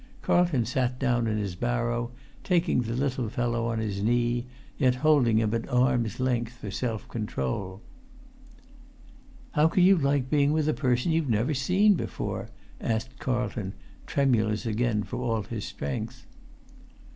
Carlton sat down in his barrow, taking the little fellow on his knee, yet holding him at arm's length for self control. "How can you like being with a person you've never seen before?" asked Carlton, tremulous again, for all his strength.